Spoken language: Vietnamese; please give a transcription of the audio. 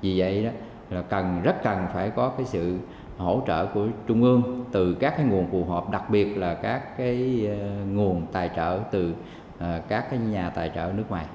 vì vậy rất cần phải có sự hỗ trợ của trung ương từ các nguồn phù hợp đặc biệt là các nguồn tài trợ từ các nhà tài trợ nước ngoài